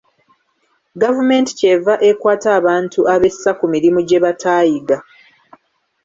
Gavumenti ky'eva ekwata abantu abessa ku mirimu gye bataayiga.